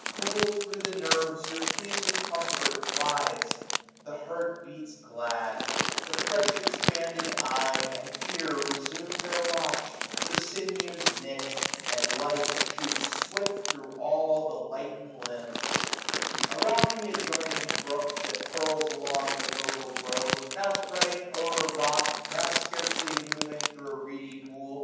475 Cool, thro' the nerves, your pleasing comfort glides ; The heart beats glad ; the fresh»expanded eye And ear resume their watch ; the sinews knit ; And life shoots swift thro' all the lightened limbs* Around th' adjoining brook, that purls along 480 The vocal grove, now fretting o'er a rock. Now scarcely moving thro' a reedy pool.